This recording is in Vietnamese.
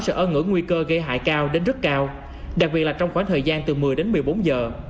sẽ ơn ngỡ nguy cơ gây hại cao đến rất cao đặc biệt là trong khoảng thời gian từ một mươi đến một mươi bốn giờ